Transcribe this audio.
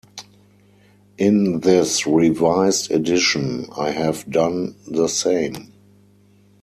In this revised edition I have done the same.